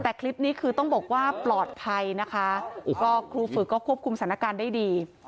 แต่คลิปนี้คือต้องบอกว่าปลอดภัยนะคะก็ครูฝึกก็ควบคุมสถานการณ์ได้ดี